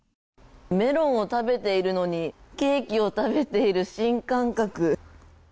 メロンを食べているのにケーキを食べている新感覚。